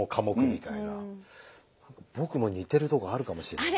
僕も似てるとこあるかもしれない。